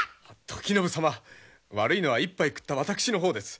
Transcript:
時信様悪いのは一杯食った私の方です。